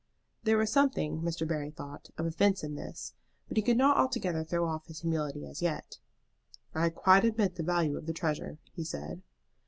There was something, Mr. Barry thought, of offence in this, but he could not altogether throw off his humility as yet. "I quite admit the value of the treasure," he said.